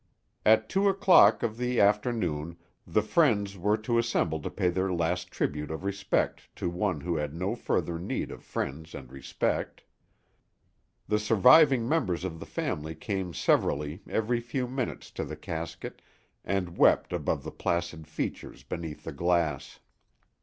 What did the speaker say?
At two o'clock of the afternoon the friends were to assemble to pay their last tribute of respect to one who had no further need of friends and respect. The surviving members of the family came severally every few minutes to the casket and wept above the placid features beneath the glass.